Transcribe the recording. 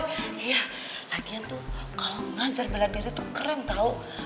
iya lagian tuh kalau ngajar bela diri tuh keren tau